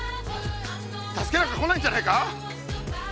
助けなんか来ないんじゃないか？